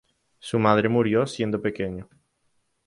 Su madre murió siendo pequeño.